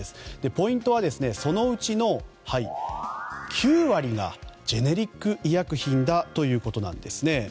ポイントは、そのうちの９割がジェネリック医薬品だということなんですね。